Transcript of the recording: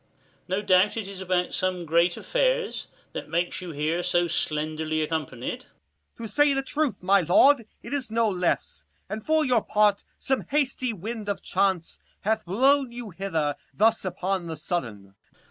No doubt, it is about some great affairs, That makes you here so slenderly accompanied. 25 Corn. To say the truth, my lord, it is no less, And for your part some hasty wind of chance Hath blown you hither thus upon the sudden.